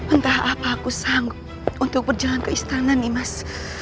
entah apa aku sanggup untuk berjalan ke istana nih mas